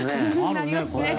なりますね。